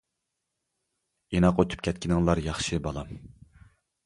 — ئىناق ئۆتۈپ كەتكىنىڭلار ياخشى، بالام.